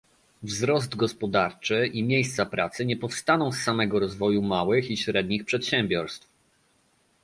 Wzrost gospodarczy i miejsca pracy nie powstaną z samego rozwoju małych i średnich przedsiębiorstw